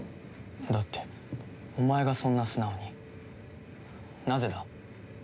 だってお前がそんな素直になぜだ？